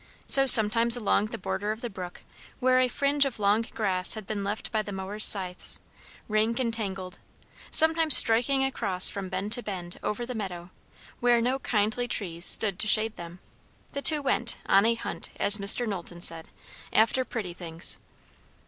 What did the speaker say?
So sometimes along the border of the brook, where a fringe of long grass had been left by the mowers' scythes, rank and tangled; sometimes striking across from bend to bend over the meadow, where no kindly trees stood to shade them, the two went on a hunt, as Mr. Knowlton said, after pretty things.